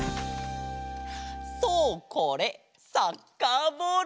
そうこれサッカーボール！